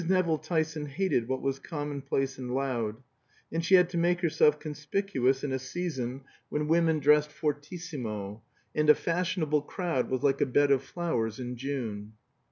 Nevill Tyson hated what was commonplace and loud; and she had to make herself conspicuous in a season when women dressed fortissimo, and a fashionable crowd was like a bed of flowers in June.